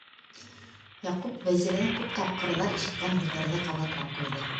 Яҡуп Вәзирҙән күп тапҡырҙар ишеткән һүҙҙәрҙе ҡабатлап ҡуйҙы: